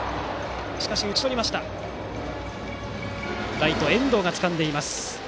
ライト遠藤がつかんでいます。